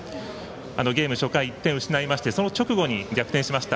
ゲーム初回、１点失いましてその直後に逆転しました。